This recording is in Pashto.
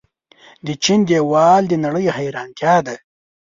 د چین دیوال د نړۍ حیرانتیا ده.